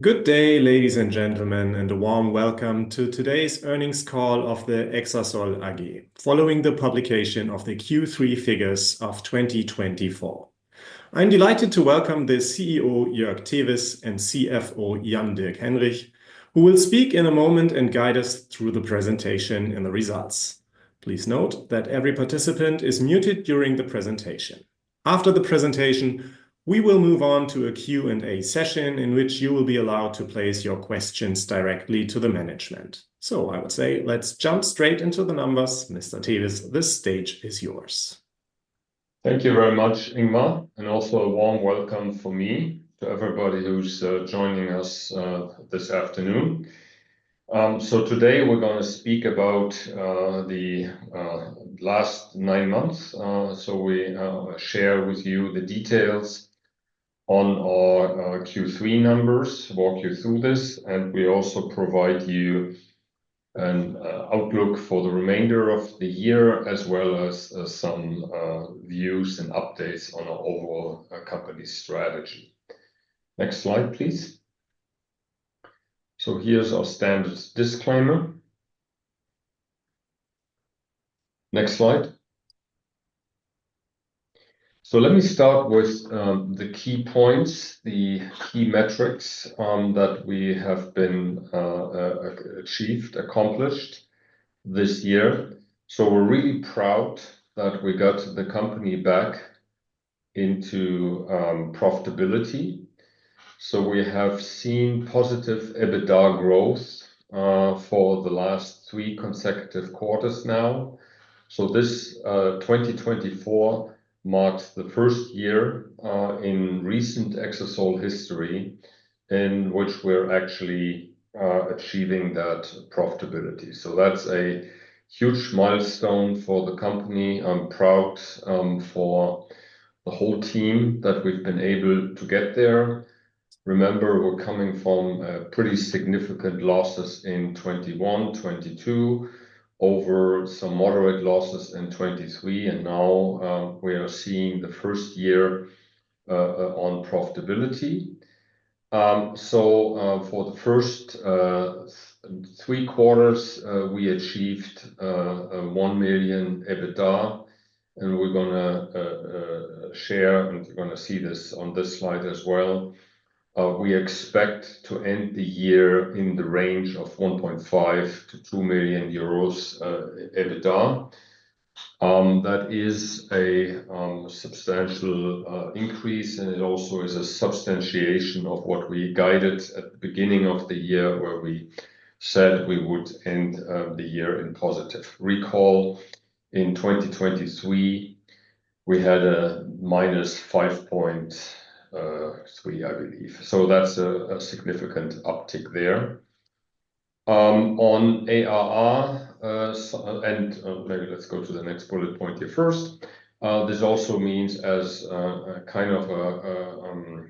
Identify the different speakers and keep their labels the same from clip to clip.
Speaker 1: Good day, ladies and gentlemen, and a warm welcome to today's earnings call of the Exasol AG, following the publication of the Q3 figures of 2024. I'm delighted to welcome the CEO, Joerg Tewes, and CFO, Jan-Dirk Henrich, who will speak in a moment and guide us through the presentation and the results. Please note that every participant is muted during the presentation. After the presentation, we will move on to a Q&A session in which you will be allowed to place your questions directly to the management. So, I would say, let's jump straight into the numbers, Mr. Tewes, this stage is yours.
Speaker 2: Thank you very much, Ingmar, and also a warm welcome from me to everybody who's joining us this afternoon. Today we're going to speak about the last nine months. We share with you the details on our Q3 numbers, walk you through this, and we also provide you an outlook for the remainder of the year, as well as some views and updates on our overall company strategy. Next slide, please. Here's our standard disclaimer. Next slide. Let me start with the key points, the key metrics that we have been achieved, accomplished this year. We're really proud that we got the company back into profitability. We have seen positive EBITDA growth for the last three consecutive quarters now. This 2024 marks the first year in recent Exasol history in which we're actually achieving that profitability. That's a huge milestone for the company. I'm proud for the whole team that we've been able to get there. Remember, we're coming from pretty significant losses in 2021, 2022, over some moderate losses in 2023, and now we are seeing the first year on profitability. For the first three quarters, we achieved EUR 1 million EBITDA, and we're going to share, and you're going to see this on this slide as well. We expect to end the year in the range of 1.5 million-2 million euros EBITDA. That is a substantial increase, and it also is a substantiation of what we guided at the beginning of the year, where we said we would end the year in positive. Recall, in 2023, we had a minus 5.3 million, I believe. That's a significant uptick there. On ARR, and maybe let's go to the next bullet point here first. This also means as a kind of a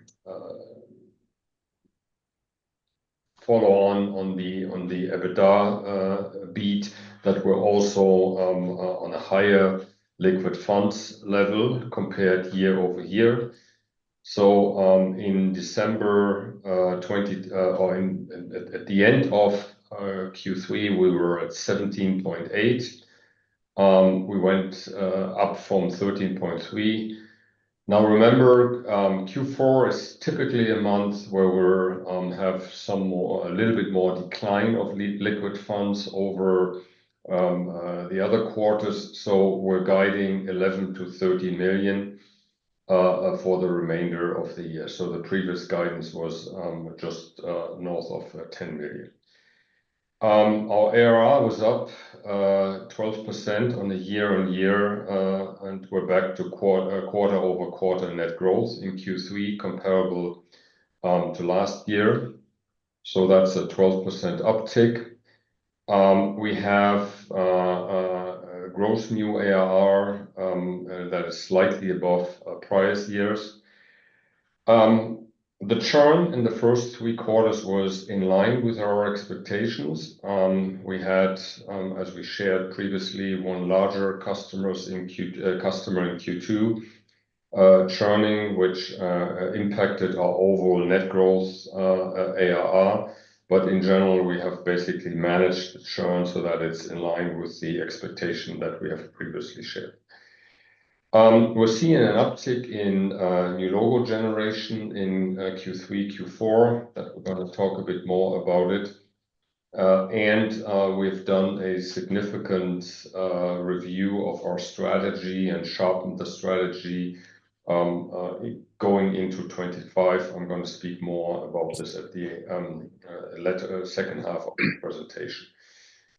Speaker 2: follow-on on the EBITDA beat that we're also on a higher liquid funds level compared year-over-year. So in December, or at the end of Q3, we were at 17.8 million. We went up from 13.3 million. Now, remember, Q4 is typically a month where we have a little bit more decline of liquid funds over the other quarters. So we're guiding 11 million-30 million for the remainder of the year. So the previous guidance was just north of 10 million. Our ARR was up 12% on a year-on-year, and we're back to quarter-over-quarter net growth in Q3, comparable to last year. So that's a 12% uptick. We have gross new ARR that is slightly above prior years. The churn in the first three quarters was in line with our expectations. We had, as we shared previously, one larger customer in Q2 churning, which impacted our overall net growth ARR, but in general, we have basically managed the churn so that it's in line with the expectation that we have previously shared. We're seeing an uptick in new logo generation in Q3, Q4. We're going to talk a bit more about it, and we've done a significant review of our strategy and sharpened the strategy going into 2025. I'm going to speak more about this at the second half of the presentation,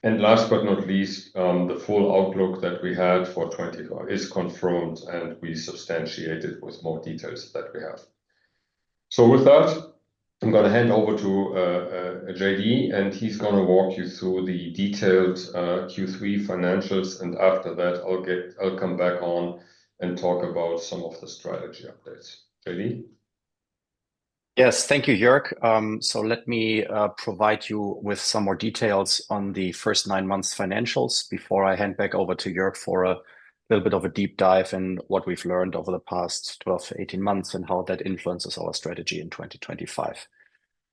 Speaker 2: and last but not least, the full outlook that we had for 2024 is confirmed, and we substantiate it with more details that we have, so with that, I'm going to hand over to JD, and he's going to walk you through the detailed Q3 financials. After that, I'll come back on and talk about some of the strategy updates. JD?
Speaker 3: Yes, thank you, Joerg. So let me provide you with some more details on the first nine months' financials before I hand back over to Joerg for a little bit of a deep dive in what we've learned over the past 12-18 months and how that influences our strategy in 2025.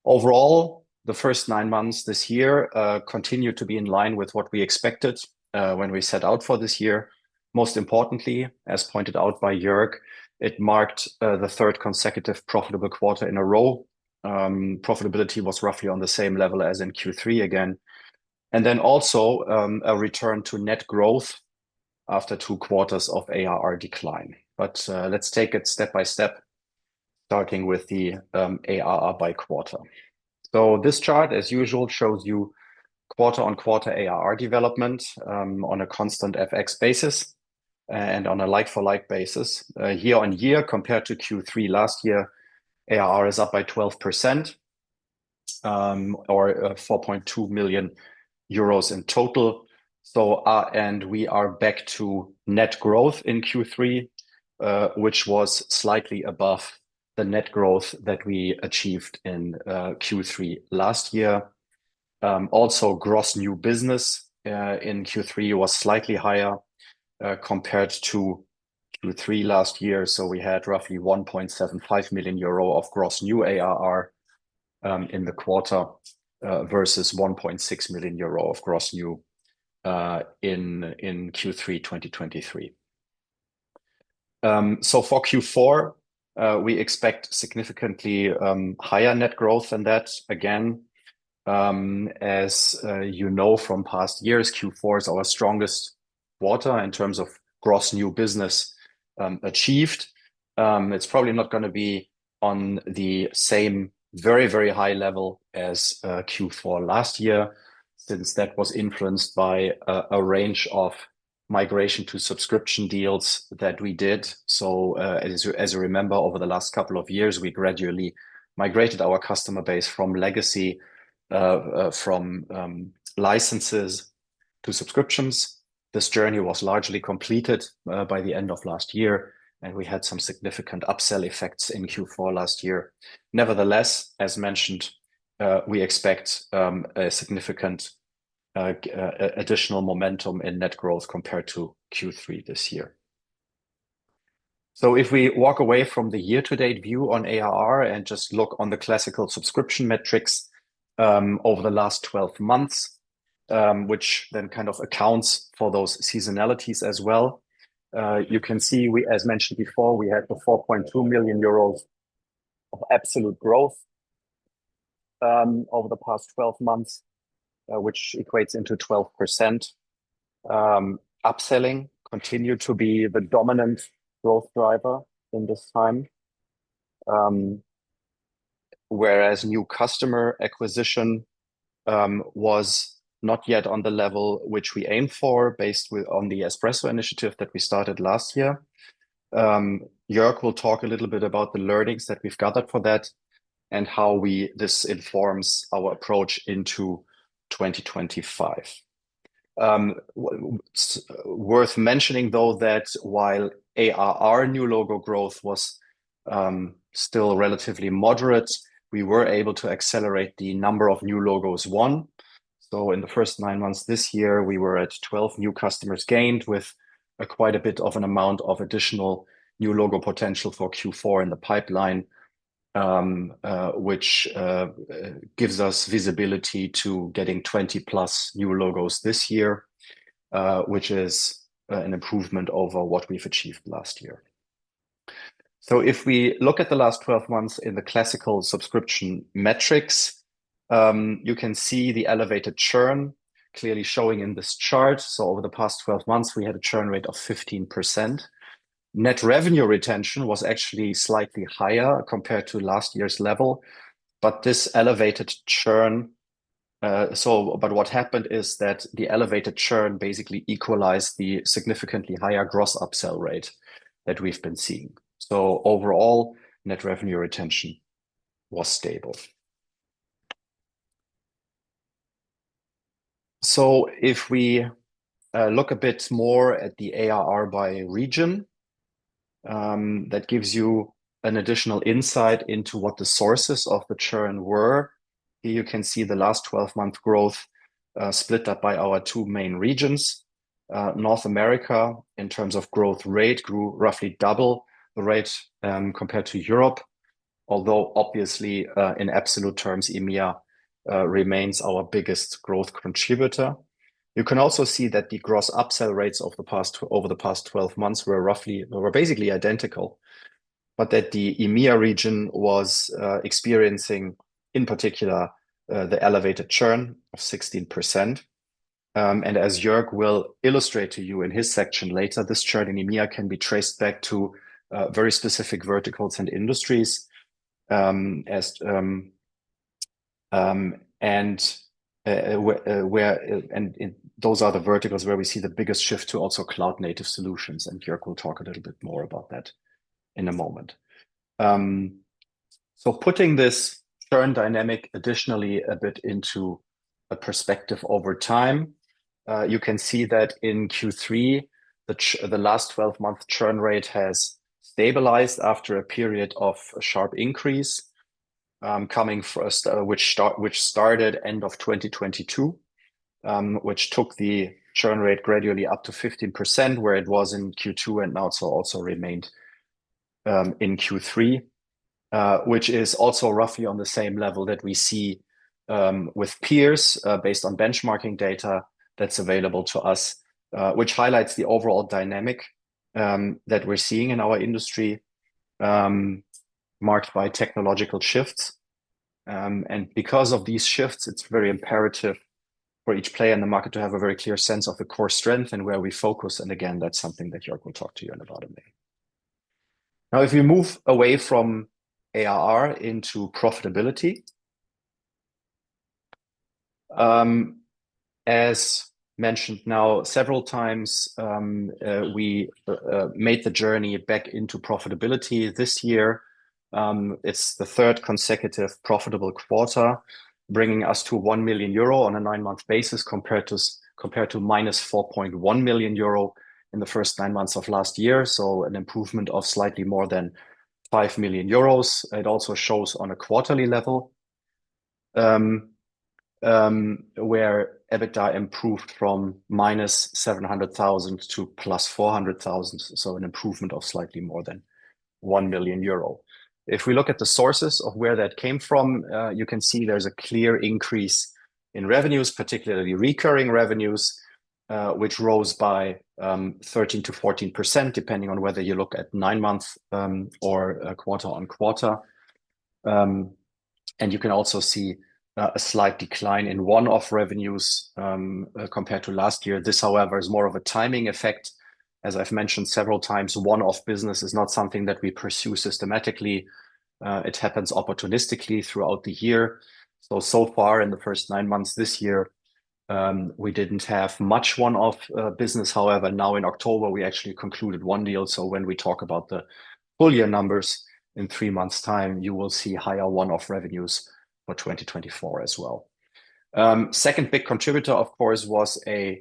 Speaker 3: Overall, the first nine months this year continue to be in line with what we expected when we set out for this year. Most importantly, as pointed out by Joerg, it marked the third consecutive profitable quarter in a row. Profitability was roughly on the same level as in Q3 again, and then also a return to net growth after two quarters of ARR decline, but let's take it step by step, starting with the ARR by quarter. This chart, as usual, shows you quarter-on-quarter ARR development on a constant FX basis and on a like-for-like basis. Year-on-year, compared to Q3 last year, ARR is up by 12% or 4.2 million euros in total. We are back to net growth in Q3, which was slightly above the net growth that we achieved in Q3 last year. Gross new business in Q3 was slightly higher compared to Q3 last year. We had roughly 1.75 million euros of gross new ARR in the quarter versus 1.6 million euros of gross new in Q3 2023. For Q4, we expect significantly higher net growth than that. Again, as you know from past years, Q4 is our strongest quarter in terms of gross new business achieved. It's probably not going to be on the same very, very high level as Q4 last year since that was influenced by a range of migration to subscription deals that we did. So as you remember, over the last couple of years, we gradually migrated our customer base from legacy, from licenses to subscriptions. This journey was largely completed by the end of last year, and we had some significant upsell effects in Q4 last year. Nevertheless, as mentioned, we expect a significant additional momentum in net growth compared to Q3 this year. So if we walk away from the year-to-date view on ARR and just look on the classical subscription metrics over the last 12 months, which then kind of accounts for those seasonalities as well, you can see, as mentioned before, we had 4.2 million euros of absolute growth over the past 12 months, which equates into 12%. Upselling continued to be the dominant growth driver in this time, whereas new customer acquisition was not yet on the level which we aimed for based on the Espresso initiative that we started last year. Joerg will talk a little bit about the learnings that we've gathered for that and how this informs our approach into 2025. Worth mentioning, though, that while ARR new logo growth was still relatively moderate, we were able to accelerate the number of new logos won. In the first nine months this year, we were at 12 new customers gained with quite a bit of an amount of additional new logo potential for Q4 in the pipeline, which gives us visibility to getting 20 plus new logos this year, which is an improvement over what we've achieved last year. If we look at the last 12 months in the classical subscription metrics, you can see the elevated churn clearly showing in this chart. Over the past 12 months, we had a churn rate of 15%. Net revenue retention was actually slightly higher compared to last year's level, but this elevated churn, but what happened is that the elevated churn basically equalized the significantly higher gross upsell rate that we've been seeing. Overall, net revenue retention was stable. If we look a bit more at the ARR by region, that gives you an additional insight into what the sources of the churn were. Here you can see the last 12-month growth split up by our two main regions. North America, in terms of growth rate, grew roughly double the rate compared to Europe, although obviously, in absolute terms, EMEA remains our biggest growth contributor. You can also see that the gross upsell rates over the past 12 months were roughly basically identical, but that the EMEA region was experiencing, in particular, the elevated churn of 16%. As Joerg will illustrate to you in his section later, this churn in EMEA can be traced back to very specific verticals and industries. Those are the verticals where we see the biggest shift to also cloud-native solutions. And Joerg will talk a little bit more about that in a moment. So putting this churn dynamic additionally a bit into a perspective over time, you can see that in Q3, the last 12-month churn rate has stabilized after a period of a sharp increase coming first, which started end of 2022, which took the churn rate gradually up to 15% where it was in Q2 and also remained in Q3, which is also roughly on the same level that we see with peers based on benchmarking data that's available to us, which highlights the overall dynamic that we're seeing in our industry marked by technological shifts. And because of these shifts, it's very imperative for each player in the market to have a very clear sense of the core strength and where we focus. And again, that's something that Joerg will talk to you in about a minute. Now, if we move away from ARR into profitability. As mentioned now several times, we made the journey back into profitability this year. It's the third consecutive profitable quarter, bringing us to 1 million euro on a nine-month basis compared to -4.1 million euro in the first nine months of last year. So an improvement of slightly more than 5 million euros. It also shows on a quarterly level where EBITDA improved from -700,000 to +400,000. So an improvement of slightly more than 1 million euro. If we look at the sources of where that came from, you can see there's a clear increase in revenues, particularly recurring revenues, which rose by 13%-14%, depending on whether you look at nine-month or quarter-on-quarter. And you can also see a slight decline in one-off revenues compared to last year. This, however, is more of a timing effect. As I've mentioned several times, one-off business is not something that we pursue systematically. It happens opportunistically throughout the year. So far, in the first nine months this year, we didn't have much one-off business. However, now in October, we actually concluded one deal. So when we talk about the full year numbers in three months' time, you will see higher one-off revenues for 2024 as well. Second big contributor, of course, was a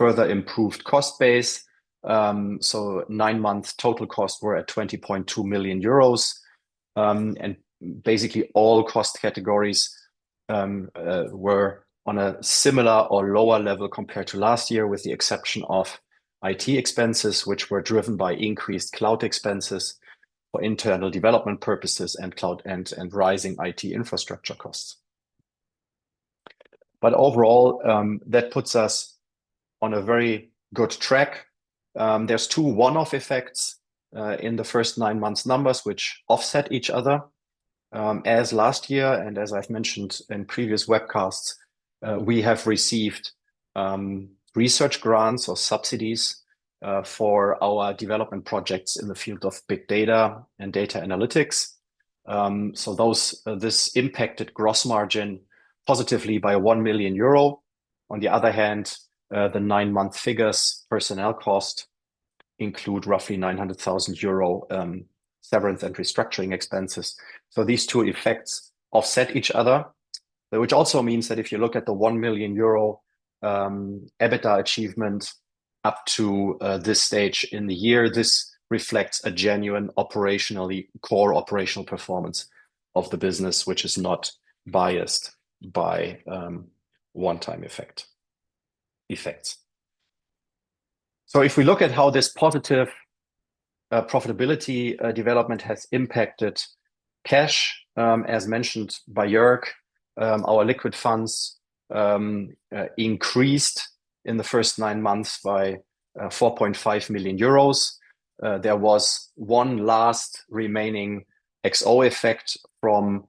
Speaker 3: further improved cost base. So nine-month total costs were at 20.2 million euros. And basically, all cost categories were on a similar or lower level compared to last year, with the exception of IT expenses, which were driven by increased cloud expenses for internal development purposes and rising IT infrastructure costs. But overall, that puts us on a very good track. There's two one-off effects in the first nine months' numbers, which offset each other. As last year, and as I've mentioned in previous webcasts, we have received research grants or subsidies for our development projects in the field of big data and data analytics. So this impacted gross margin positively by 1 million euro. On the other hand, the nine-month figures' personnel costs include roughly 900,000 euro severance and restructuring expenses. So these two effects offset each other, which also means that if you look at the 1 million euro EBITDA achievement up to this stage in the year, this reflects a genuine core operational performance of the business, which is not biased by one-time effects. So if we look at how this positive profitability development has impacted cash, as mentioned by Joerg, our liquid funds increased in the first nine months by 4.5 million euros. There was one last remaining one-off effect from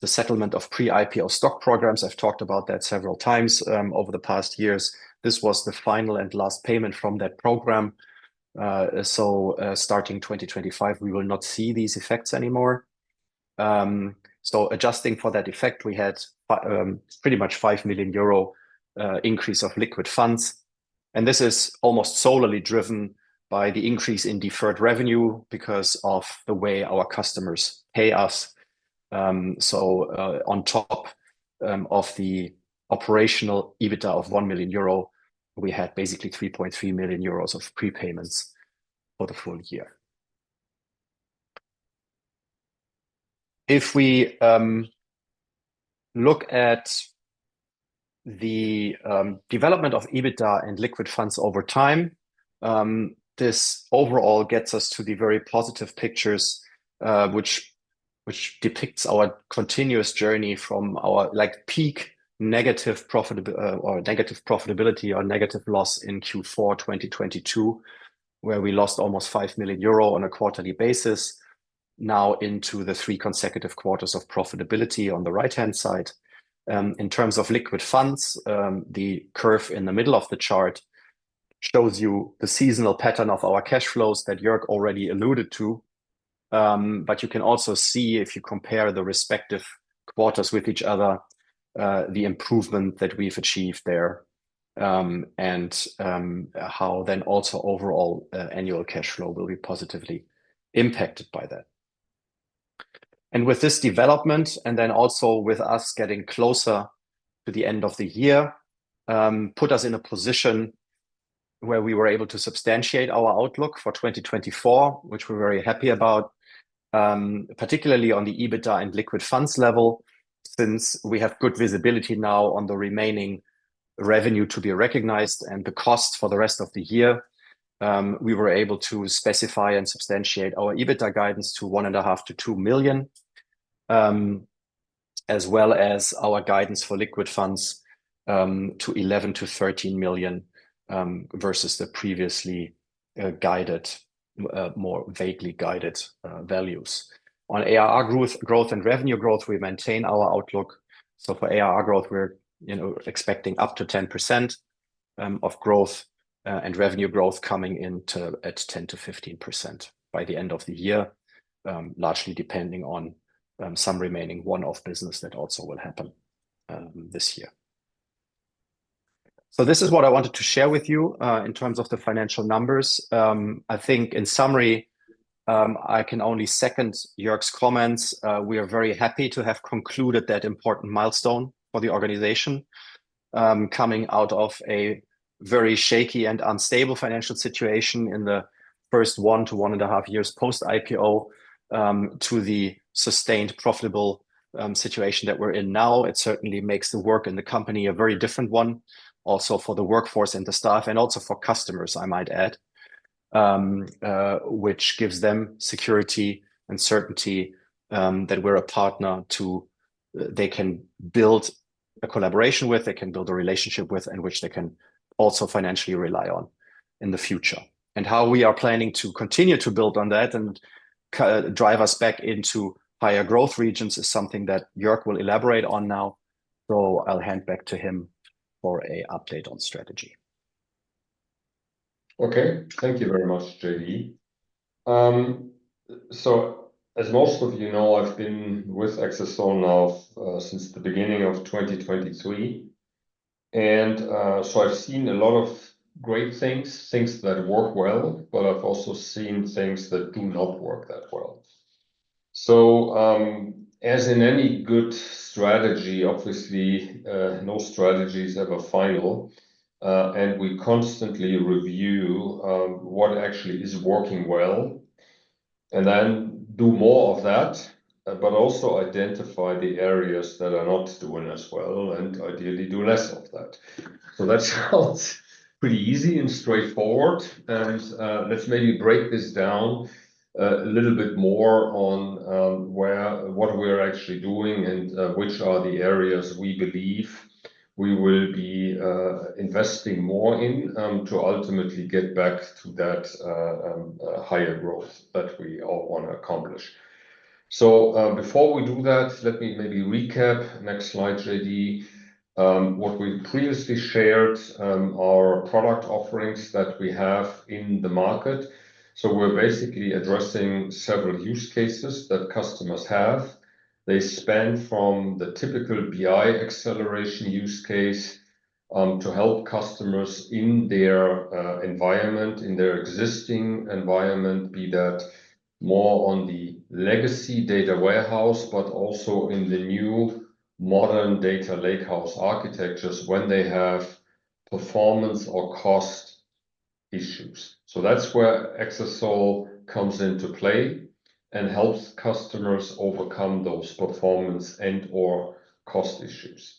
Speaker 3: the settlement of pre-IPO stock programs. I've talked about that several times over the past years. This was the final and last payment from that program. So starting 2025, we will not see these effects anymore. So adjusting for that effect, we had pretty much 5 million euro increase of liquid funds. And this is almost solely driven by the increase in deferred revenue because of the way our customers pay us. So on top of the operational EBITDA of 1 million euro, we had basically 3.3 million euros of prepayments for the full year. If we look at the development of EBITDA and liquid funds over time, this overall gets us to the very positive pictures, which depicts our continuous journey from our peak negative profitability or negative loss in Q4 2022, where we lost almost 5 million euro on a quarterly basis, now into the three consecutive quarters of profitability on the right-hand side. In terms of liquid funds, the curve in the middle of the chart shows you the seasonal pattern of our cash flows that Joerg already alluded to. But you can also see, if you compare the respective quarters with each other, the improvement that we've achieved there and how then also overall annual cash flow will be positively impacted by that. And with this development, and then also with us getting closer to the end of the year, put us in a position where we were able to substantiate our outlook for 2024, which we're very happy about, particularly on the EBITDA and liquid funds level, since we have good visibility now on the remaining revenue to be recognized and the cost for the rest of the year. We were able to specify and substantiate our EBITDA guidance to 1.5 million-2 million, as well as our guidance for liquid funds to 11 million-13 million versus the previously guided, more vaguely guided values. On ARR growth and revenue growth, we maintain our outlook. So for ARR growth, we're expecting up to 10% of growth and revenue growth coming in at 10%-15% by the end of the year, largely depending on some remaining one-off business that also will happen this year. So this is what I wanted to share with you in terms of the financial numbers. I think in summary, I can only second Joerg's comments. We are very happy to have concluded that important milestone for the organization coming out of a very shaky and unstable financial situation in the first one to one and a half years post-IPO to the sustained profitable situation that we're in now. It certainly makes the work in the company a very different one, also for the workforce and the staff, and also for customers, I might add, which gives them security and certainty that we're a partner they can build a collaboration with, they can build a relationship with, and which they can also financially rely on in the future. And how we are planning to continue to build on that and drive us back into higher growth regions is something that Joerg will elaborate on now. So I'll hand back to him for an update on strategy.
Speaker 2: Okay. Thank you very much, JD. So as most of you know, I've been with Exasol now since the beginning of 2023. And so I've seen a lot of great things, things that work well, but I've also seen things that do not work that well. So as in any good strategy, obviously, no strategies ever final. And we constantly review what actually is working well and then do more of that, but also identify the areas that are not doing as well and ideally do less of that. So that sounds pretty easy and straightforward. And let's maybe break this down a little bit more on what we're actually doing and which are the areas we believe we will be investing more in to ultimately get back to that higher growth that we all want to accomplish. So before we do that, let me maybe recap. Next slide, JD. What we previously shared are product offerings that we have in the market, so we're basically addressing several use cases that customers have. They span from the typical BI acceleration use case to help customers in their environment, in their existing environment, be that more on the legacy data warehouse, but also in the new modern data lakehouse architectures when they have performance or cost issues, so that's where Exasol comes into play and helps customers overcome those performance and/or cost issues.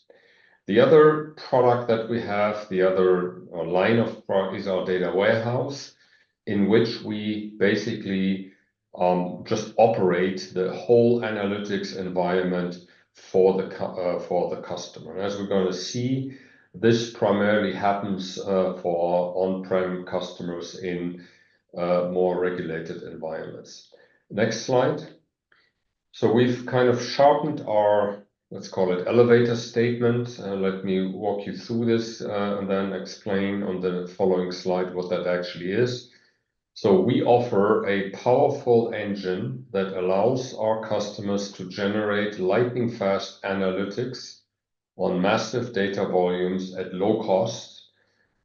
Speaker 2: The other product that we have, the other line of product, is our data warehouse in which we basically just operate the whole analytics environment for the customer, and as we're going to see, this primarily happens for on-prem customers in more regulated environments. Next slide, so we've kind of sharpened our, let's call it, elevator statement. Let me walk you through this and then explain on the following slide what that actually is. So we offer a powerful engine that allows our customers to generate lightning-fast analytics on massive data volumes at low cost,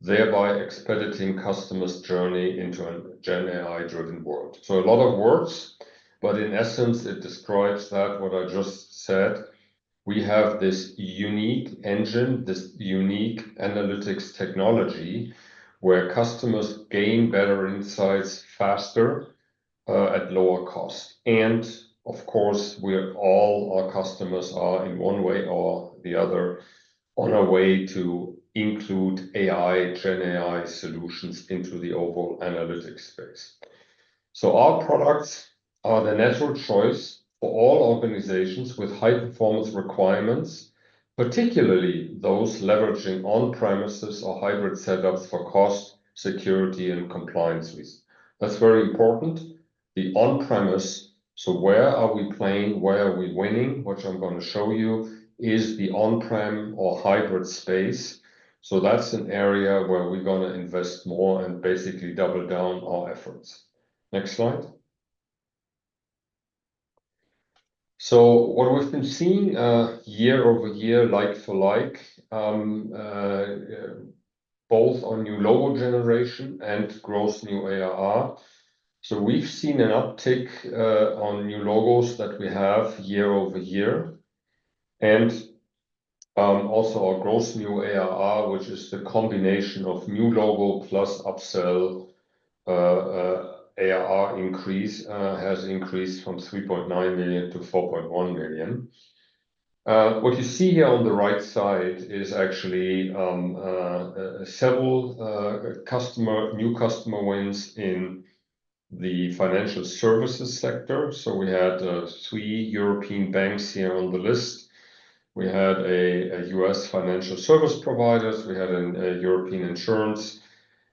Speaker 2: thereby expediting customers' journey into a GenAI-driven world. So a lot of words, but in essence, it describes that what I just said. We have this unique engine, this unique analytics technology where customers gain better insights faster at lower cost. And of course, all our customers are in one way or the other on a way to include AI, GenAI solutions into the overall analytics space. So our products are the natural choice for all organizations with high performance requirements, particularly those leveraging on-premises or hybrid setups for cost, security, and compliance reasons. That's very important. The on-premise, so where are we playing, where are we winning, which I'm going to show you, is the on-prem or hybrid space. So that's an area where we're going to invest more and basically double down our efforts. Next slide. So what we've been seeing year-over-year, like for like, both on new logo generation and gross new ARR. So we've seen an uptick on new logos that we have year-over-year. And also our gross new ARR, which is the combination of new logo plus upsell ARR increase, has increased from 3.9 million to 4.1 million. What you see here on the right side is actually several new customer wins in the financial services sector. So we had three European banks here on the list. We had U.S. financial service providers. We had a European insurance.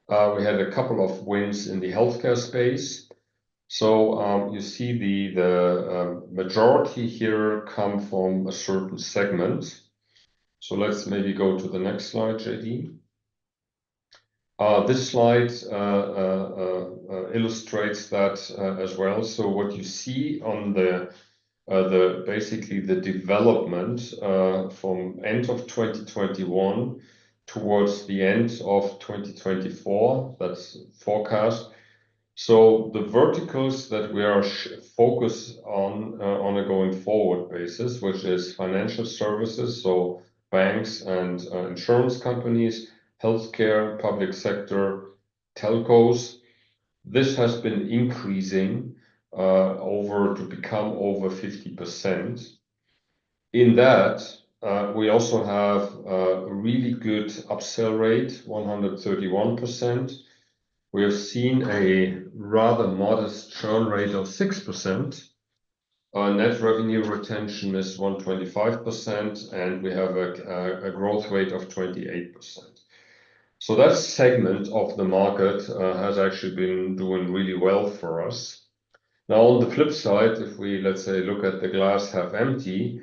Speaker 2: We had a couple of wins in the healthcare space. You see the majority here come from a certain segment. Let's maybe go to the next slide, JD. This slide illustrates that as well. What you see is basically the development from end of 2021 towards the end of 2024; that's forecast. The verticals that we are focused on a going forward basis, which is financial services, so banks and insurance companies, healthcare, public sector, telcos; this has been increasing over to become over 50%. In that, we also have a really good upsell rate, 131%. We have seen a rather modest churn rate of 6%. Net revenue retention is 125%, and we have a growth rate of 28%. That segment of the market has actually been doing really well for us. Now, on the flip side, if we, let's say, look at the glass half empty,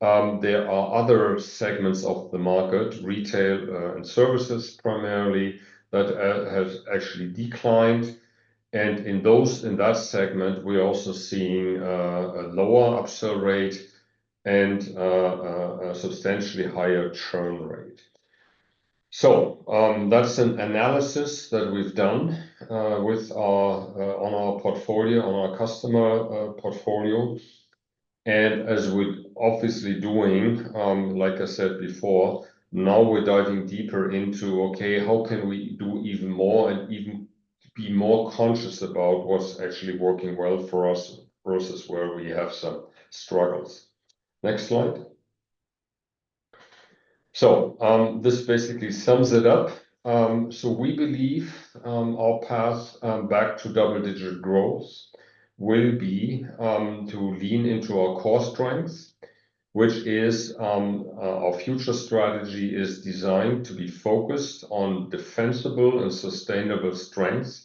Speaker 2: there are other segments of the market, retail and services primarily, that have actually declined. And in that segment, we're also seeing a lower upsell rate and a substantially higher churn rate. So that's an analysis that we've done on our portfolio, on our customer portfolio. And as we're obviously doing, like I said before, now we're diving deeper into, okay, how can we do even more and even be more conscious about what's actually working well for us versus where we have some struggles. Next slide. So this basically sums it up. So we believe our path back to double-digit growth will be to lean into our core strengths, which is our future strategy is designed to be focused on defensible and sustainable strengths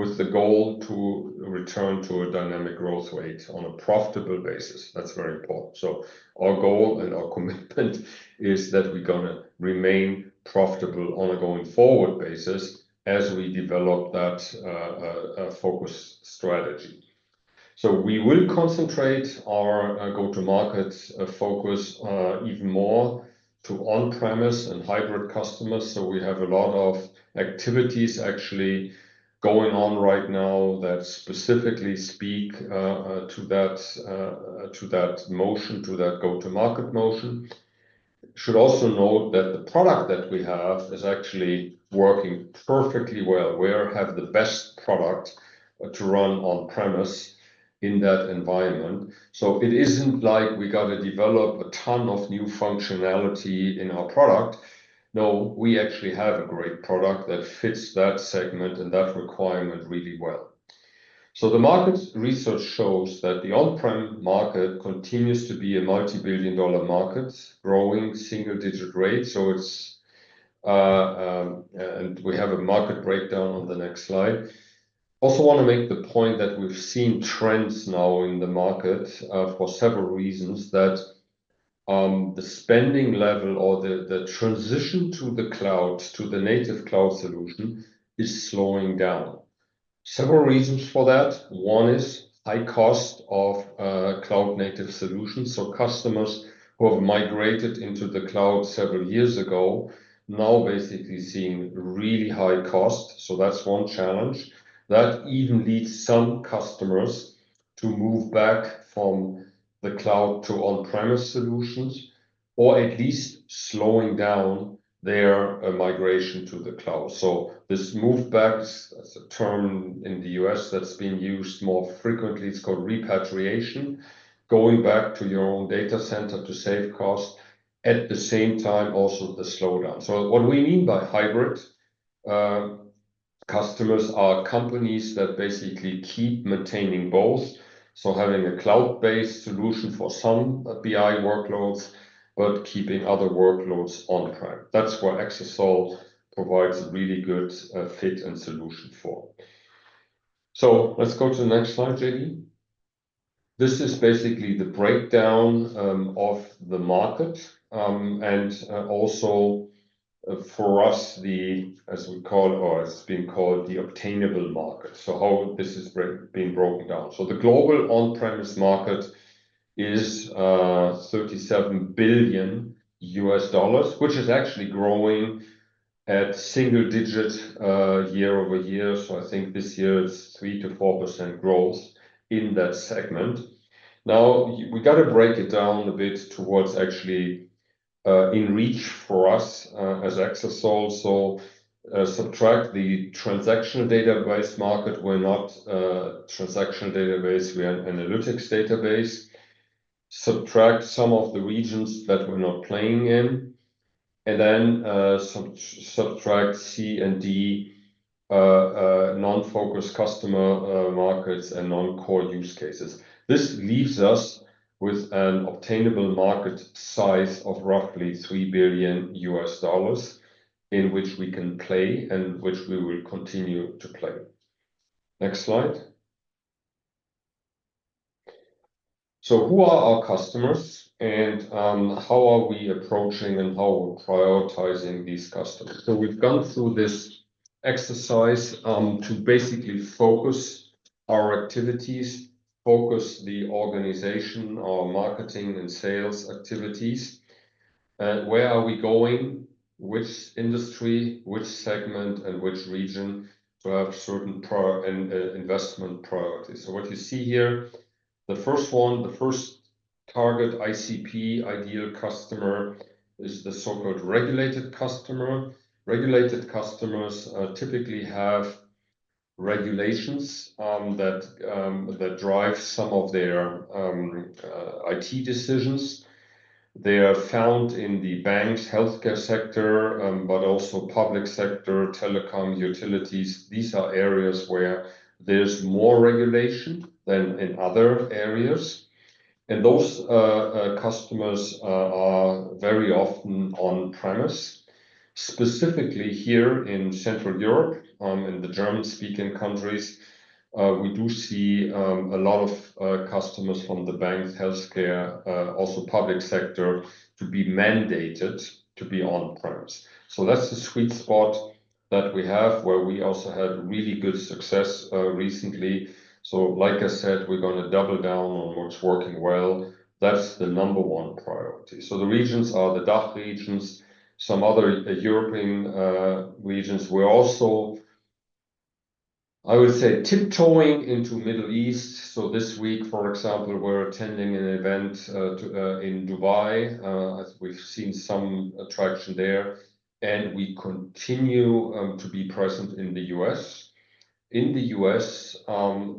Speaker 2: with the goal to return to a dynamic growth rate on a profitable basis. That's very important. So our goal and our commitment is that we're going to remain profitable on a going forward basis as we develop that focus strategy. So we will concentrate our go-to-market focus even more to on-premise and hybrid customers. So we have a lot of activities actually going on right now that specifically speak to that motion, to that go-to-market motion. Should also note that the product that we have is actually working perfectly well. We have the best product to run on-premise in that environment. So it isn't like we got to develop a ton of new functionality in our product. No, we actually have a great product that fits that segment and that requirement really well. So the market research shows that the on-prem market continues to be a multi-billion-dollar market, growing single-digit rate. And we have a market breakdown on the next slide. Also want to make the point that we've seen trends now in the market for several reasons that the spending level or the transition to the cloud, to the native cloud solution, is slowing down. Several reasons for that. One is high cost of cloud-native solutions. So customers who have migrated into the cloud several years ago now basically seeing really high cost. So that's one challenge. That even leads some customers to move back from the cloud to on-premise solutions or at least slowing down their migration to the cloud. So this move back, that's a term in the U.S. that's being used more frequently. It's called repatriation, going back to your own data center to save cost. At the same time, also the slowdown. So what we mean by hybrid customers are companies that basically keep maintaining both. So having a cloud-based solution for some BI workloads, but keeping other workloads on-prem. That's what Exasol provides a really good fit and solution for. So let's go to the next slide, JD. This is basically the breakdown of the market and also for us, as we call or it's being called the obtainable market. So how this is being broken down. So the global on-premise market is $37 billion, which is actually growing at single-digit year-over-year. So I think this year it's 3%-4% growth in that segment. Now, we got to break it down a bit towards actually in reach for us as Exasol, so subtract the transactional database market. We're not a transactional database. We are an analytics database. Subtract some of the regions that we're not playing in, and then subtract C and D, non-focus customer markets and non-core use cases. This leaves us with an obtainable market size of roughly $3 billion in which we can play and which we will continue to play. Next slide, so who are our customers and how are we approaching and how we're prioritizing these customers, so we've gone through this exercise to basically focus our activities, focus the organization, our marketing and sales activities. Where are we going? Which industry, which segment, and which region to have certain investment priorities? So what you see here, the first one, the first target ICP ideal customer is the so-called regulated customer. Regulated customers typically have regulations that drive some of their IT decisions. They are found in the banks, healthcare sector, but also public sector, telecom, utilities. These are areas where there's more regulation than in other areas. And those customers are very often on-premise. Specifically here in Central Europe, in the German-speaking countries, we do see a lot of customers from the banks, healthcare, also public sector to be mandated to be on-premise. So that's the sweet spot that we have where we also had really good success recently. So like I said, we're going to double down on what's working well. That's the number one priority. So the regions are the DACH regions, some other European regions. We're also, I would say, tiptoeing into the Middle East. This week, for example, we're attending an event in Dubai. We've seen some attraction there. And we continue to be present in the U.S. In the U.S.,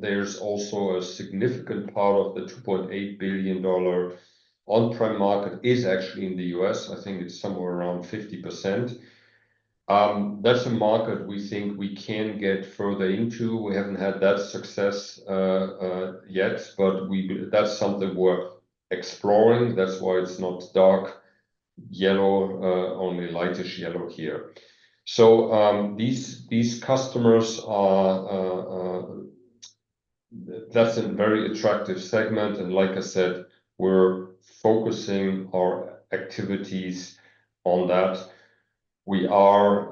Speaker 2: there's also a significant part of the $2.8 billion on-prem market is actually in the U.S. I think it's somewhere around 50%. That's a market we think we can get further into. We haven't had that success yet, but that's something we're exploring. That's why it's not dark yellow, only lightish yellow here. So these customers, that's a very attractive segment. And like I said, we're focusing our activities on that. We are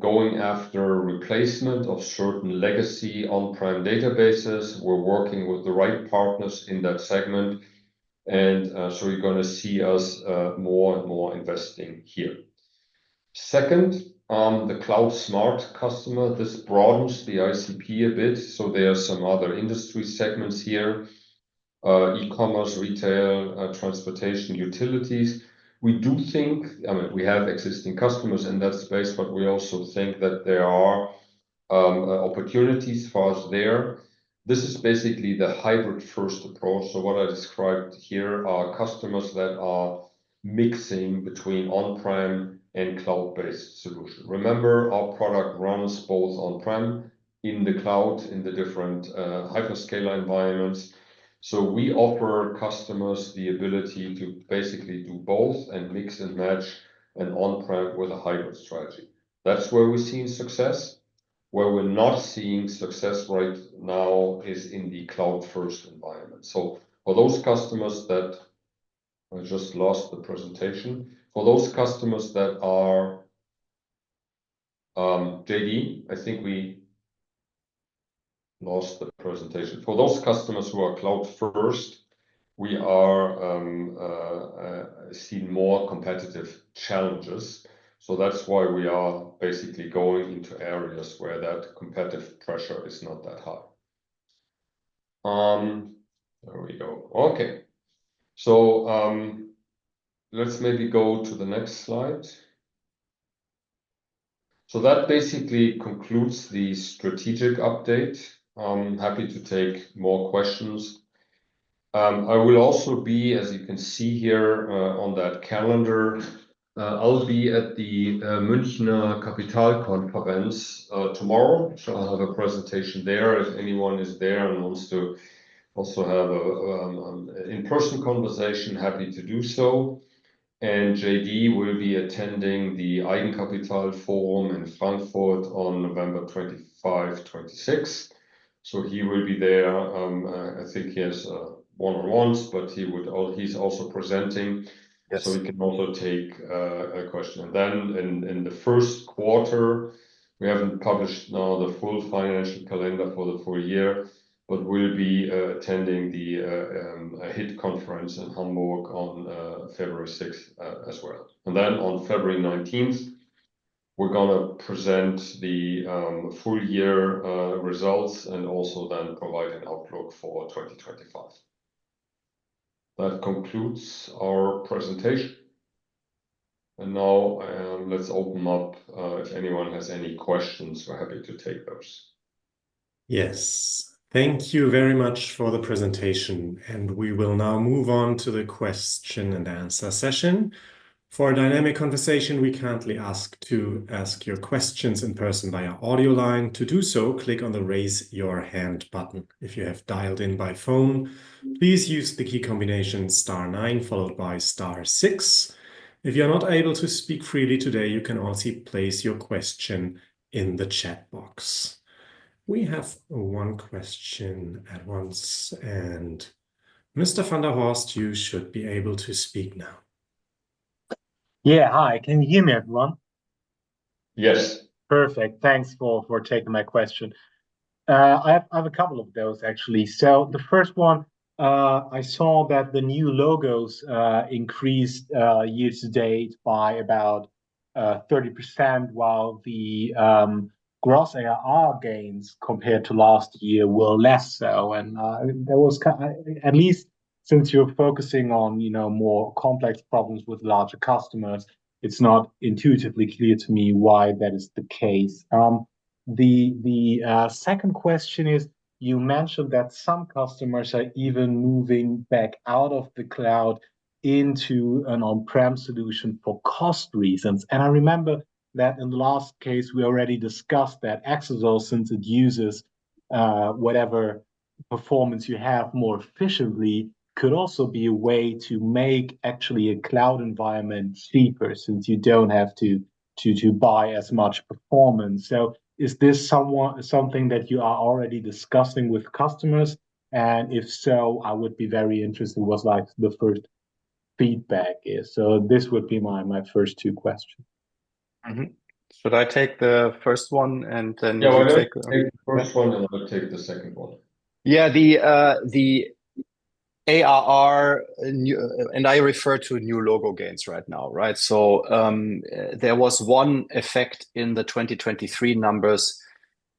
Speaker 2: going after replacement of certain legacy on-prem databases. We're working with the right partners in that segment. And so you're going to see us more and more investing here. Second, the cloud smart customer, this broadens the ICP a bit. So there are some other industry segments here: e-commerce, retail, transportation, utilities. We do think, I mean, we have existing customers in that space, but we also think that there are opportunities for us there. This is basically the hybrid-first approach. So what I described here are customers that are mixing between on-prem and cloud-based solutions. Remember, our product runs both on-prem, in the cloud, in the different hyperscale environments. So we offer customers the ability to basically do both and mix and match an on-prem with a hybrid strategy. That's where we're seeing success. Where we're not seeing success right now is in the cloud-first environment. So for those customers that I just lost the presentation, for those customers that are JD, I think we lost the presentation. For those customers who are cloud-first, we are seeing more competitive challenges. That's why we are basically going into areas where that competitive pressure is not that high. Let's maybe go to the next slide. That basically concludes the strategic update. Happy to take more questions. I will also be, as you can see here on that calendar, I'll be at the Münchner Kapitalmarkt Konferenz tomorrow. I'll have a presentation there. If anyone is there and wants to also have an in-person conversation, happy to do so. JD will be attending the Deutsches Eigenkapitalforum in Frankfurt on November 25, 26. He will be there. I think he has one-on-ones, but he's also presenting. He can also take a question. Then in the first quarter, we haven't published now the full financial calendar for the full year, but we'll be attending the HIT conference in Hamburg on February 6th as well. Then on February 19th, we're going to present the full year results and also then provide an outlook for 2025. That concludes our presentation. Now let's open up. If anyone has any questions, we're happy to take those.
Speaker 1: Yes. Thank you very much for the presentation. We will now move on to the question and answer session. For a dynamic conversation, we kindly ask to ask your questions in person via audio line. To do so, click on the raise your hand button. If you have dialed in by phone, please use the key combination star nine followed by star six. If you're not able to speak freely today, you can also place your question in the chat box. We have one question at once, and Mr. van der Horst, you should be able to speak now. Yeah. Hi. Can you hear me, everyone?
Speaker 2: Yes. Perfect. Thanks for taking my question. I have a couple of those, actually, so the first one, I saw that the new logos increased year to date by about 30%, while the gross ARR gains compared to last year were less so, and there was, at least since you're focusing on more complex problems with larger customers, it's not intuitively clear to me why that is the case. The second question is, you mentioned that some customers are even moving back out of the cloud into an on-prem solution for cost reasons. I remember that in the last case, we already discussed that Exasol, since it uses whatever performance you have more efficiently, could also be a way to make actually a cloud environment cheaper since you don't have to buy as much performance. Is this something that you are already discussing with customers? If so, I would be very interested in what the first feedback is. This would be my first two questions.
Speaker 3: Should I take the first one and then
Speaker 2: you take the first one and I'll take the second one?
Speaker 3: Yeah. The ARR, and I refer to new logo gains right now, right? There was one effect in the 2023 numbers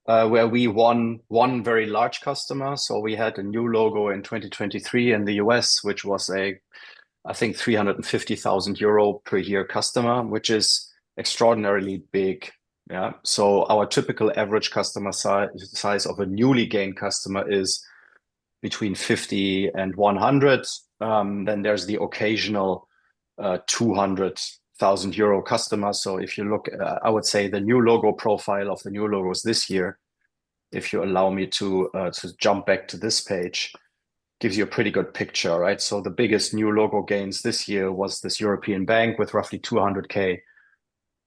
Speaker 3: where we won one very large customer. We had a new logo in 2023 in the U.S., which was, I think, 350,000 euro per year customer, which is extraordinarily big. Yeah. Our typical average customer size of a newly gained customer is between 50 and 100. Then there's the occasional 200,000 euro customer. So if you look, I would say the new logo profile of the new logos this year, if you allow me to jump back to this page, gives you a pretty good picture, right? So the biggest new logo gains this year was this European bank with roughly 200K,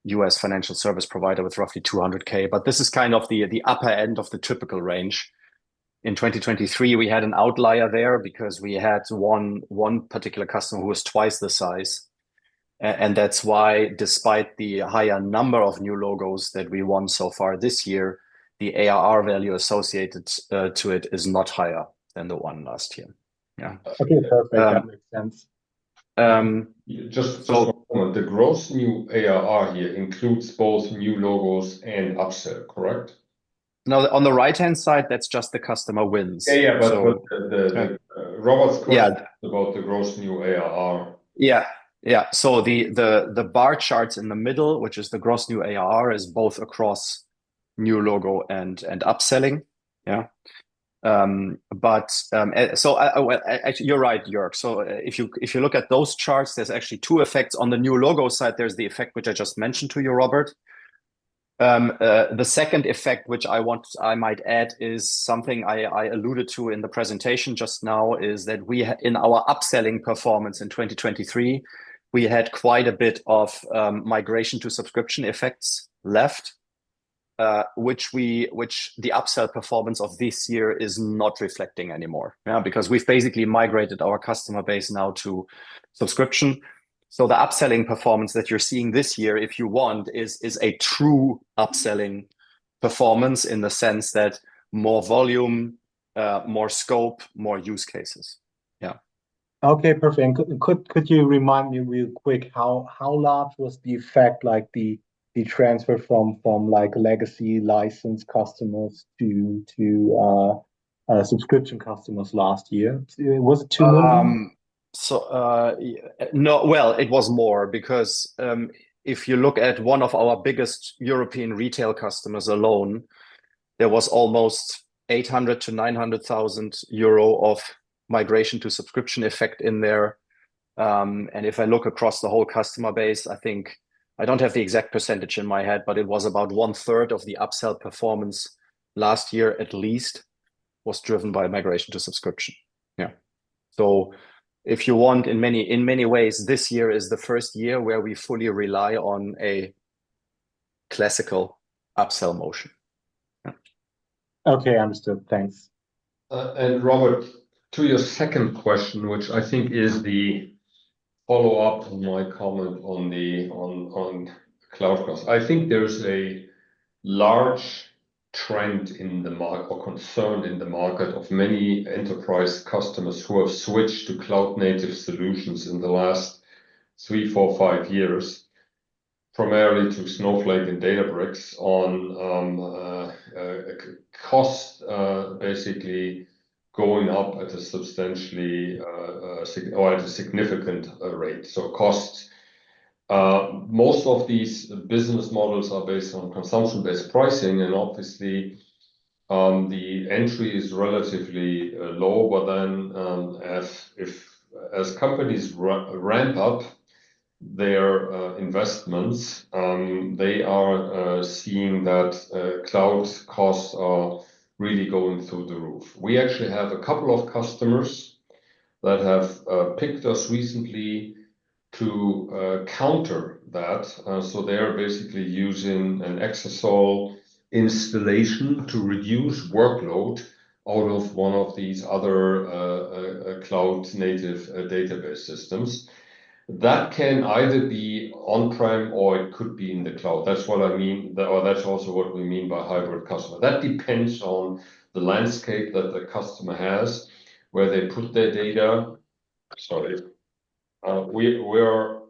Speaker 3: US financial service provider with roughly 200K. But this is kind of the upper end of the typical range. In 2023, we had an outlier there because we had one particular customer who was twice the size. And that's why, despite the higher number of new logos that we won so far this year, the ARR value associated to it is not higher than the one last year. Yeah. Okay. Perfect. That makes sense. Just so the gross new ARR here includes both new logos and upsell, correct? No, on the right-hand side, that's just the customer wins. Yeah, yeah, but the rest is about the gross new ARR. Yeah, yeah, so the bar charts in the middle, which is the gross new ARR, is both across new logo and upselling. Yeah, but so you're right, Joerg. So if you look at those charts, there's actually two effects on the new logo side. There's the effect which I just mentioned to you, Robert. The second effect, which I might add, is something I alluded to in the presentation just now: in our upselling performance in 2023, we had quite a bit of migration to subscription effects left, which the upsell performance of this year is not reflecting anymore. Yeah, because we've basically migrated our customer base now to subscription. So the upselling performance that you're seeing this year, if you want, is a true upselling performance in the sense that more volume, more scope, more use cases. Yeah. Okay. Perfect. And could you remind me real quick, how large was the effect, like the transfer from legacy license customers to subscription customers last year? Was it too many? Well, it was more because if you look at one of our biggest European retail customers alone, there was almost 800,000-900,000 euro of migration to subscription effect in there. And if I look across the whole customer base, I think I don't have the exact percentage in my head, but it was about one-third of the upsell performance last year, at least, was driven by migration to subscription. Yeah. So if you want, in many ways, this year is the first year where we fully rely on a classical upsell motion. Okay. Understood. Thanks.
Speaker 2: And Robert, to your second question, which I think is the follow-up on my comment on cloud costs, I think there's a large trend in the market or concern in the market of many enterprise customers who have switched to cloud-native solutions in the last three, four, five years, primarily to Snowflake and Databricks on cost, basically going up at a substantially or at a significant rate. So, costs, most of these business models are based on consumption-based pricing. And obviously, the entry is relatively low. But then as companies ramp up their investments, they are seeing that cloud costs are really going through the roof. We actually have a couple of customers that have picked us recently to counter that. So they're basically using an Exasol installation to reduce workload out of one of these other cloud-native database systems. That can either be on-prem or it could be in the cloud. That's what I mean. Or that's also what we mean by hybrid customer. That depends on the landscape that the customer has where they put their data. Sorry.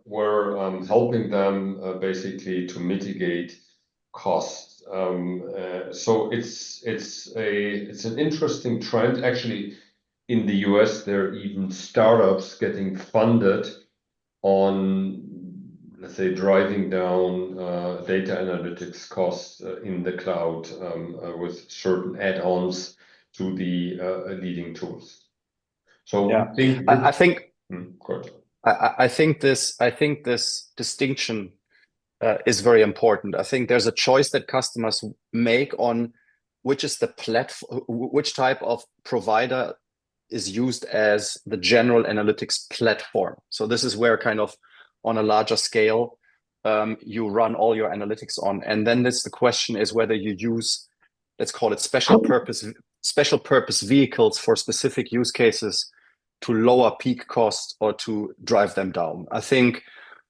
Speaker 2: We're helping them basically to mitigate costs. So it's an interesting trend. Actually, in the U.S., there are even startups getting funded on, let's say, driving down data analytics costs in the cloud with certain add-ons to the leading tools.
Speaker 3: So I think. I think this distinction is very important. I think there's a choice that customers make on which type of provider is used as the general analytics platform. So this is where kind of on a larger scale, you run all your analytics on. Then the question is whether you use, let's call it special purpose vehicles for specific use cases to lower peak costs or to drive them down. I think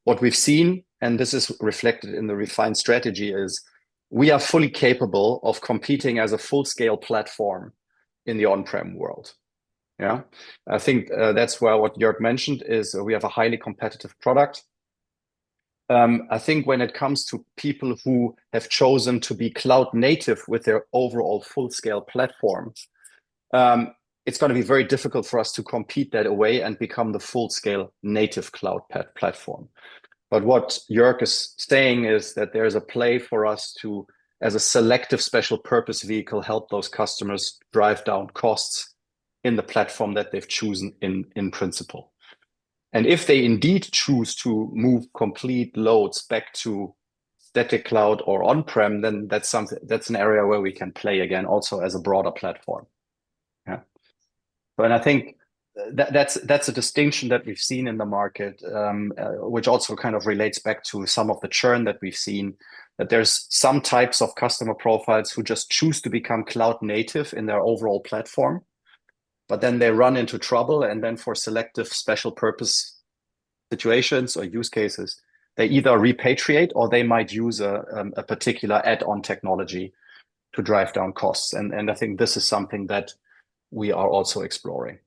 Speaker 3: what we've seen, and this is reflected in the refined strategy, is we are fully capable of competing as a full-scale platform in the on-prem world. Yeah. I think that's where what Joerg mentioned is we have a highly competitive product. I think when it comes to people who have chosen to be cloud-native with their overall full-scale platform, it's going to be very difficult for us to compete that away and become the full-scale native cloud platform. What Joerg is saying is that there is a play for us to, as a selective special purpose vehicle, help those customers drive down costs in the platform that they've chosen in principle. And if they indeed choose to move complete loads back to static cloud or on-prem, then that's an area where we can play again also as a broader platform. Yeah. And I think that's a distinction that we've seen in the market, which also kind of relates back to some of the churn that we've seen, that there's some types of customer profiles who just choose to become cloud-native in their overall platform, but then they run into trouble. And then for selective special purpose situations or use cases, they either repatriate or they might use a particular add-on technology to drive down costs. And I think this is something that we are also exploring.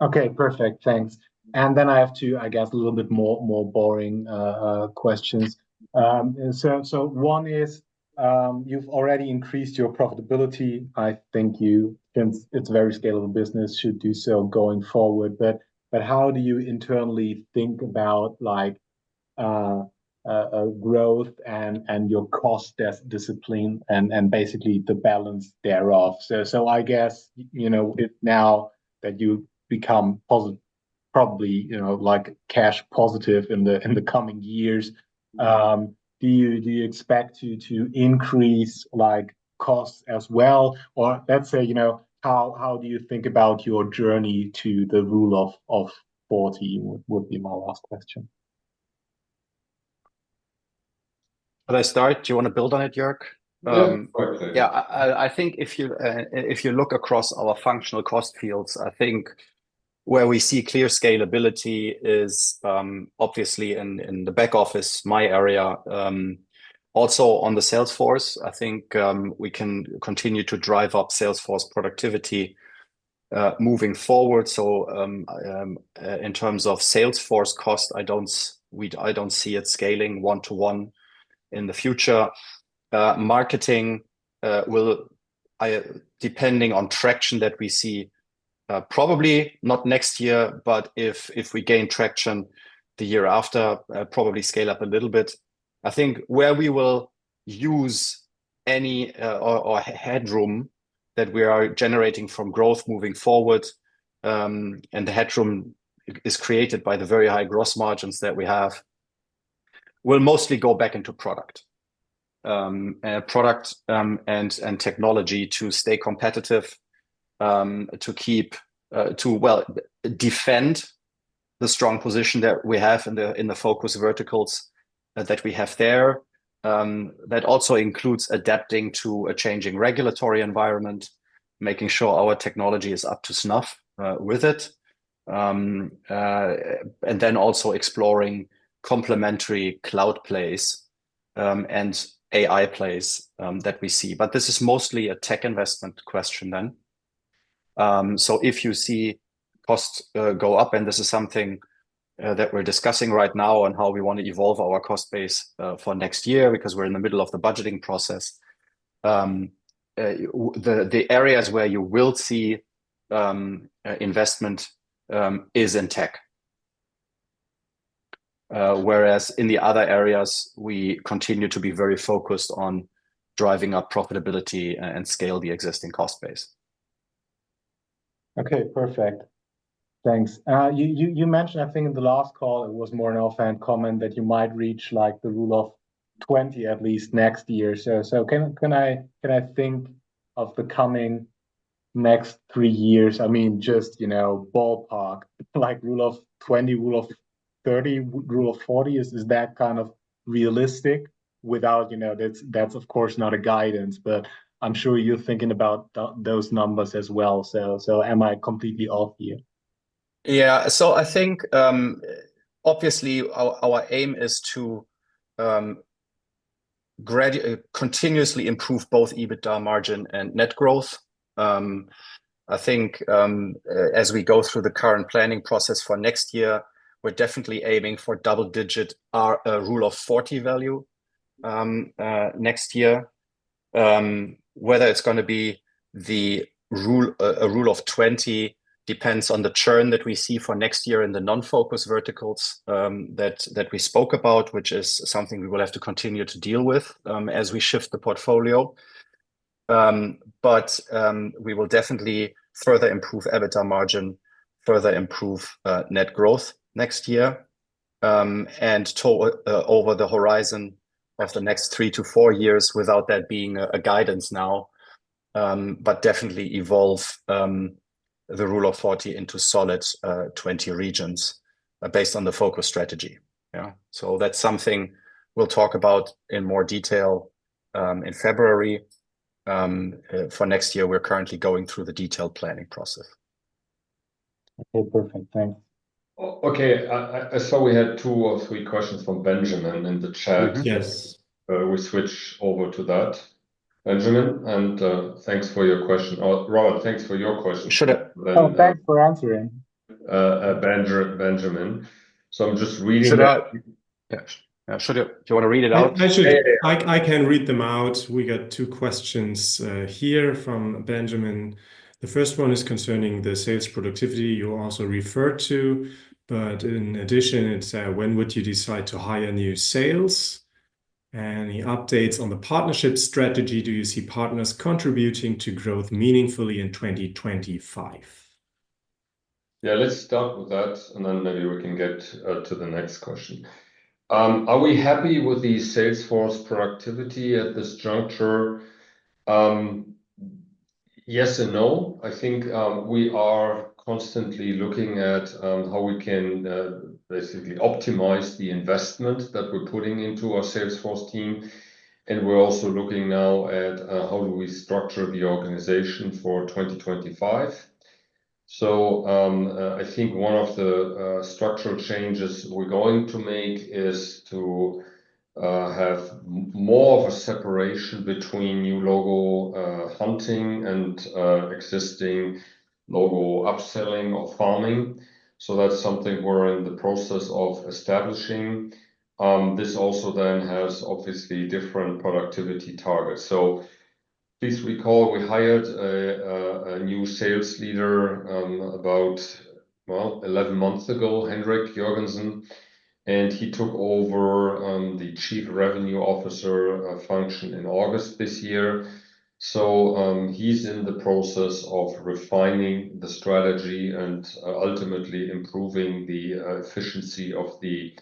Speaker 3: Okay. Perfect. Thanks. And then I have to, I guess, a little bit more boring questions. So one is, you've already increased your profitability. I think since it's a very scalable business, should do so going forward. But how do you internally think about growth and your cost discipline and basically the balance thereof? So I guess now that you become probably cash positive in the coming years, do you expect to increase costs as well? Or let's say, how do you think about your journey to the Rule of 40 would be my last question. Can I start? Do you want to build on it, Joerg? Yeah. I think if you look across our functional cost fields, I think where we see clear scalability is obviously in the back office, my area. Also on the Salesforce, I think we can continue to drive up Salesforce productivity moving forward. So in terms of Salesforce cost, I don't see it scaling one-to-one in the future. Marketing, depending on traction that we see, probably not next year, but if we gain traction the year after, probably scale up a little bit. I think where we will use any headroom that we are generating from growth moving forward, and the headroom is created by the very high gross margins that we have, will mostly go back into product and technology to stay competitive, to defend the strong position that we have in the focus verticals that we have there. That also includes adapting to a changing regulatory environment, making sure our technology is up to snuff with it, and then also exploring complementary cloud plays and AI plays that we see. But this is mostly a tech investment question then. So if you see costs go up, and this is something that we're discussing right now on how we want to evolve our cost base for next year because we're in the middle of the budgeting process, the areas where you will see investment is in tech. Whereas in the other areas, we continue to be very focused on driving up profitability and scale the existing cost base. Okay. Perfect. Thanks. You mentioned, I think in the last call, it was more an offhand comment that you might reach the Rule of 20 at least next year. So can I think of the coming next three years? I mean, just ballpark, like Rule of 20, Rule of 30, Rule of 40, is that kind of realistic? That's, of course, not a guidance, but I'm sure you're thinking about those numbers as well. So am I completely off here? Yeah. So I think, obviously, our aim is to continuously improve both EBITDA margin and net growth. I think as we go through the current planning process for next year, we're definitely aiming for double-digit rule of 40 value next year. Whether it's going to be a rule of 20 depends on the churn that we see for next year in the non-focus verticals that we spoke about, which is something we will have to continue to deal with as we shift the portfolio. But we will definitely further improve EBITDA margin, further improve net growth next year, and over the horizon of the next three to four years without that being a guidance now, but definitely evolve the rule of 40 into solid 20 regions based on the focus strategy. Yeah. So that's something we'll talk about in more detail in February. For next year, we're currently going through the detailed planning process. Okay. Perfect. Thanks.
Speaker 2: Okay. I saw we had two or three questions from Benjamin in the chat. We switch over to that. Benjamin, and thanks for your question. Robert, thanks for your question. Sure. Oh, thanks for answering. Benjamin. So I'm just reading it. Yeah. Do you want to read it out?
Speaker 3: I can read them out. We got two questions here from Benjamin. The first one is concerning the sales productivity you also referred to. But in addition, it's when would you decide to hire new sales? Any updates on the partnership strategy? Do you see partners contributing to growth meaningfully in 2025?
Speaker 2: Yeah. Let's start with that, and then maybe we can get to the next question. Are we happy with the sales force productivity at this juncture? Yes and no. I think we are constantly looking at how we can basically optimize the investment that we're putting into our Salesforce team. And we're also looking now at how do we structure the organization for 2025. So I think one of the structural changes we're going to make is to have more of a separation between new logo hunting and existing logo upselling or farming. So that's something we're in the process of establishing. This also then has obviously different productivity targets. So please recall, we hired a new sales leader about, well, 11 months ago, Henrik Jorgensen, and he took over the Chief Revenue Officer function in August this year. So he's in the process of refining the strategy and ultimately improving the efficiency of the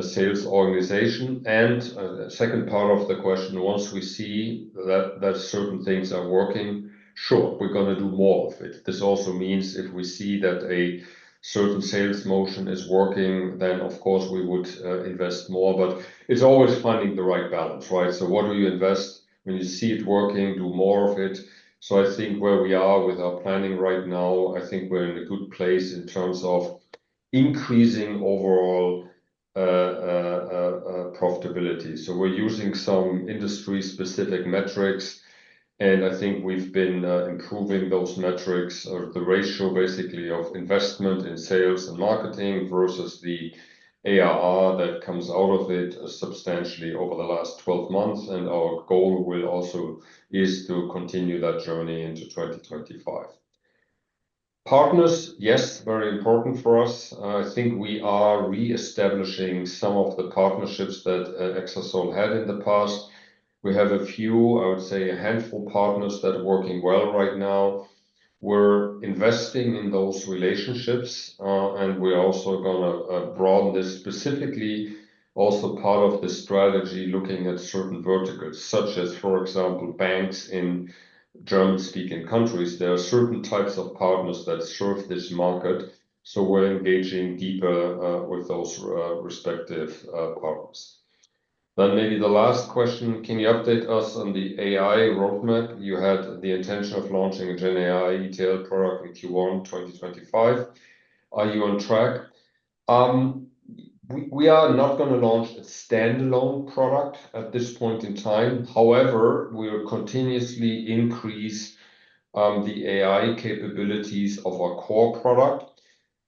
Speaker 2: sales organization. And second part of the question, once we see that certain things are working, sure, we're going to do more of it. This also means if we see that a certain sales motion is working, then, of course, we would invest more. But it's always finding the right balance, right? So what do you invest? When you see it working, do more of it. So I think where we are with our planning right now, I think we're in a good place in terms of increasing overall profitability. So we're using some industry-specific metrics, and I think we've been improving those metrics, the ratio basically of investment in sales and marketing versus the ARR that comes out of it substantially over the last 12 months. And our goal also is to continue that journey into 2025. Partners, yes, very important for us. I think we are reestablishing some of the partnerships that Exasol had in the past. We have a few, I would say a handful of partners that are working well right now. We're investing in those relationships, and we're also going to broaden this specifically, also part of the strategy looking at certain verticals, such as, for example, banks in German-speaking countries. There are certain types of partners that serve this market. So we're engaging deeper with those respective partners. Then maybe the last question, can you update us on the AI roadmap? You had the intention of launching a GenAI retail product in 2025. Are you on track? We are not going to launch a standalone product at this point in time. However, we will continuously increase the AI capabilities of our core product.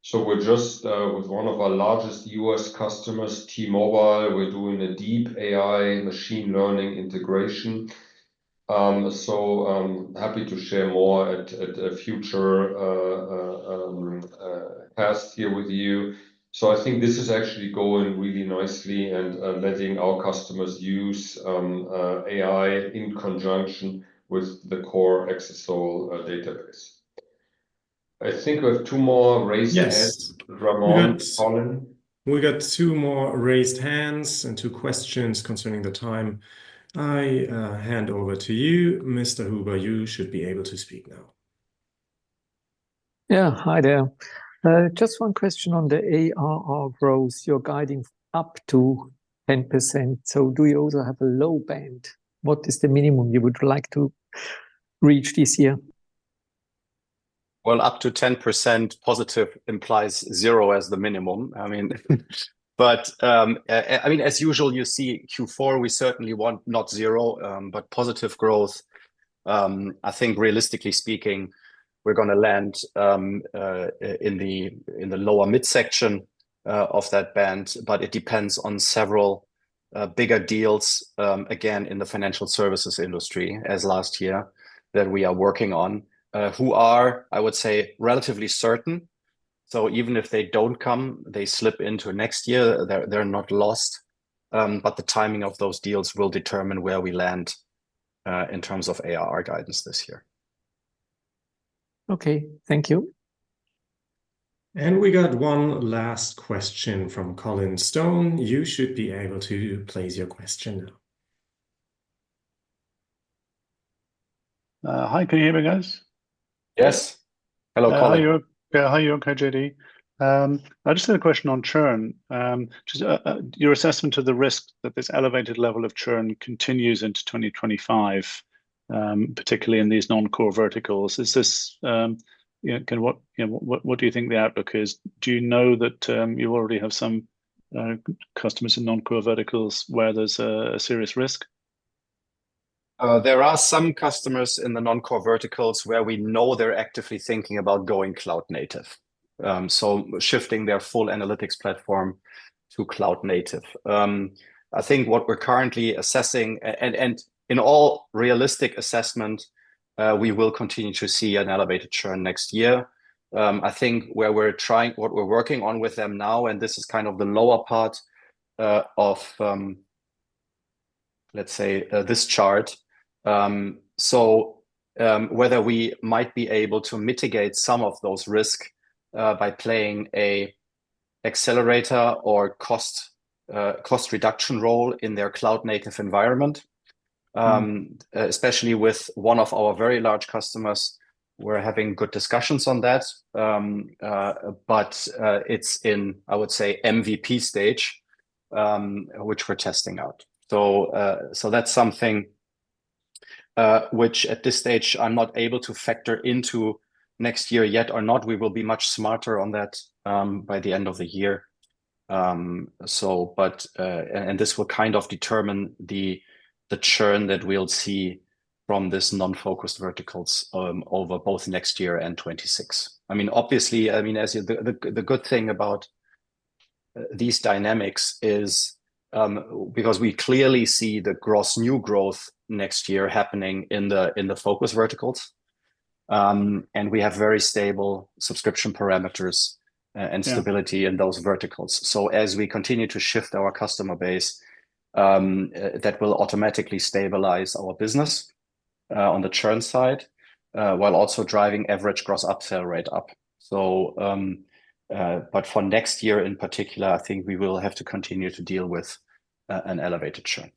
Speaker 2: So we're just with one of our largest U.S. customers, T-Mobile, we're doing a deep AI machine learning integration. So, happy to share more at a future call here with you. I think this is actually going really nicely and letting our customers use AI in conjunction with the core Exasol database. I think we have two more raised hands.
Speaker 1: Yes. We got two more raised hands and two questions concerning the time. I hand over to you, Mr. Huber. You should be able to speak now. Yeah. Hi there. Just one question on the ARR growth. You're guiding up to 10%. So do you also have a low band? What is the minimum you would like to reach this year?
Speaker 3: Well, up to 10% positive implies zero as the minimum. I mean, but I mean, as usual, you see Q4. We certainly want not zero, but positive growth. I think realistically speaking, we're going to land in the lower mid-section of that band, but it depends on several bigger deals, again, in the financial services industry as last year that we are working on, who are, I would say, relatively certain. So even if they don't come, they slip into next year, they're not lost. But the timing of those deals will determine where we land in terms of ARR guidance this year. Okay. Thank you.
Speaker 1: And we got one last question from Colin Stone. You should be able to place your question now. Hi. Can you hear me, guys?
Speaker 3: Yes. Hello, Colin. How are you? Okay. JD. I just had a question on churn. Your assessment of the risk that this elevated level of churn continues into 2025, particularly in these non-core verticals, is this what do you think the outlook is? Do you know that you already have some customers in non-core verticals where there's a serious risk? There are some customers in the non-core verticals where we know they're actively thinking about going cloud native, so shifting their full analytics platform to cloud native. I think what we're currently assessing, and in all realistic assessment, we will continue to see an elevated churn next year. I think where we're trying, what we're working on with them now, and this is kind of the lower part of, let's say, this chart. So whether we might be able to mitigate some of those risks by playing an accelerator or cost reduction role in their cloud native environment, especially with one of our very large customers, we're having good discussions on that. But it's in, I would say, MVP stage, which we're testing out. So that's something which at this stage, I'm not able to factor into next year yet or not. We will be much smarter on that by the end of the year. But this will kind of determine the churn that we'll see from this non-focus verticals over both next year and 2026. I mean, obviously, the good thing about these dynamics is because we clearly see the new growth next year happening in the focus verticals, and we have very stable subscription parameters and stability in those verticals. So as we continue to shift our customer base, that will automatically stabilize our business on the churn side while also driving average gross upsell rate up. But for next year in particular, I think we will have to continue to deal with an elevated churn.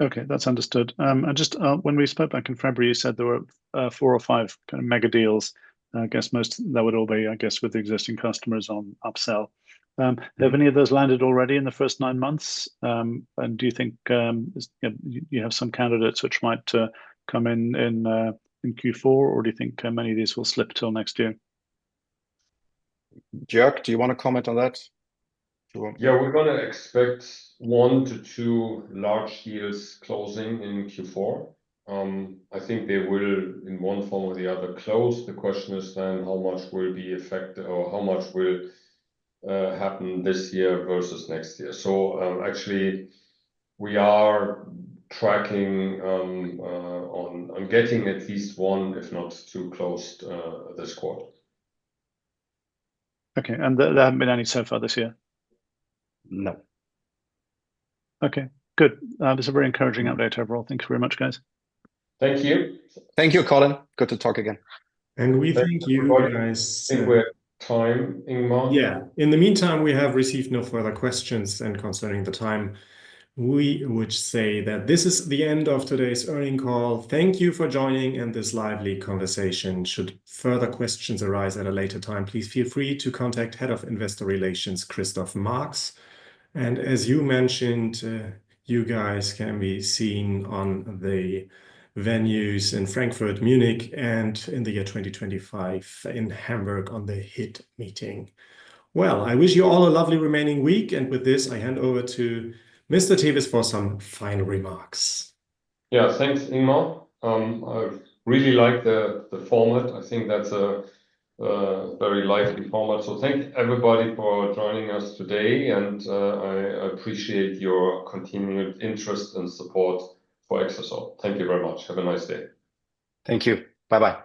Speaker 3: Okay. That's understood. And just when we spoke back in February, you said there were four or five kind of mega deals. I guess most of that would all be, I guess, with existing customers on upsell. Have any of those landed already in the first nine months? And do you think you have some candidates which might come in Q4, or do you think many of these will slip till next year? Joerg, do you want to comment on that?
Speaker 2: Yeah. We're going to expect one to two large deals closing in Q4. I think they will, in one form or the other, close. The question is then how much will be affected or how much will happen this year versus next year. So actually, we are tracking on getting at least one, if not two, closed this quarter. Okay. And there haven't been any so far this year? No. Okay. Good. This is a very encouraging update overall. Thank you very much, guys. Thank you.
Speaker 3: Thank you, Colin. Good to talk again.
Speaker 1: And we thank you. I think we're out of time. Yeah. In the meantime, we have received no further questions concerning the time. We would say that this is the end of today's earnings call. Thank you for joining in this lively conversation. Should further questions arise at a later time, please feel free to contact Head of Investor Relations, Christoph Marx. And as you mentioned, you guys can be seen on the venues in Frankfurt, Munich, and in the year 2025 in Hamburg on the HIT meeting. Well, I wish you all a lovely remaining week. And with this, I hand over to Mr. Tewes for some final remarks.
Speaker 2: Yeah. Thanks, Ingmar. I really like the format. I think that's a very lively format. So thank everybody for joining us today. And I appreciate your continued interest and support for Exasol. Thank you very much. Have a nice day.
Speaker 3: Thank you. Bye-bye.